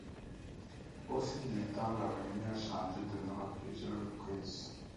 Au fil du temps, l'avenue a changé de nom à plusieurs reprises.